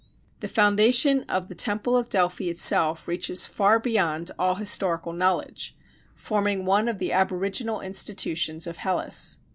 The foundation of the temple of Delphi itself reaches far beyond all historical knowledge, forming one of the aboriginal institutions of Hellas.